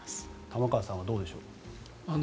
玉川さんはどうでしょう？